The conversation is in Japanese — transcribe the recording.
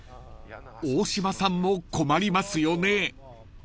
［大島さんも困りますよね］